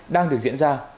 đang được diễn ra